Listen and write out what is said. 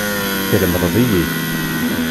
Teslemdeḍ-iyi-t.